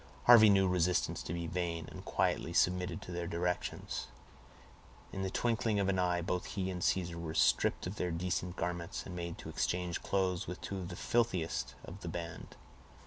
Harvey knew resistance to be vain, and quietly submitted to their directions. In the twinkling of an eye both he and Caesar were stripped of their decent garments, and made to exchange clothes with two of the filthiest of the band.